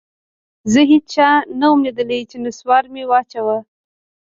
زه هېچا نه وم ليدلى چې نسوار مې واچاوه.